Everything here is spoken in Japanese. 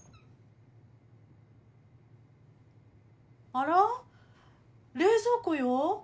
あら？冷蔵庫よ。